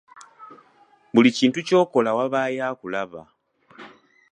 Buli kintu ky’okola wabaawo akulaba.